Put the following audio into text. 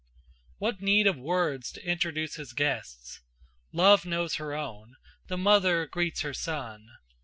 What need of words to introduce his guests? Love knows her own, the mother greets her son.